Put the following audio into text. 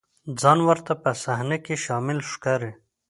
ځان ورته په صحنه کې شامل ښکاري.